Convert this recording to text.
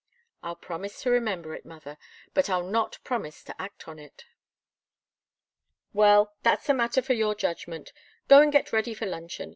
"I'll promise to remember it, mother. But I'll not promise to act on it." "Well that's a matter for your judgment. Go and get ready for luncheon.